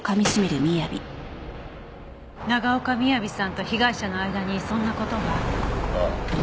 長岡雅さんと被害者の間にそんな事が。ああ。